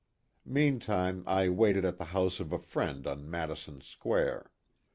Meantime I waited at the house of a friend on Madison Square.